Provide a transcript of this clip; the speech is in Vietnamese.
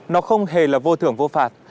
nó không hề là vô thưởng vô phạt